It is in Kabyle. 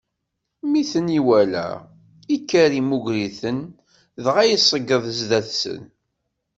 Mi ten-iwala, ikker, immuger-iten, dɣa iseǧǧed zdat-sen.